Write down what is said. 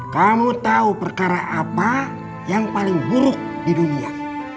kamu tahu perkara apa yang paling buruk di dunia